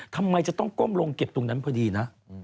ทำไมจะต้องก้มลงเก็บตรงนั้นพอดีนะ